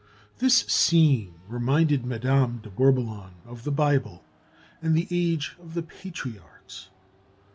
This scene reminded Madame de Bourboulon of the Bible and the age of the patriarchs.